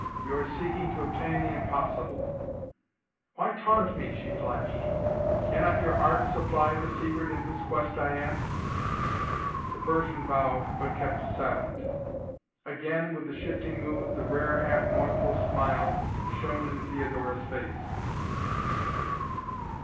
You are seeking to obtain the impossible " "Why taunt me?" she flashed. "Cannot your art supply the secret in whose quest I am?" The Persian bowed, but kept silent. Again, with the shifting mood, the rare, half mournful smile shone in Theodora's face.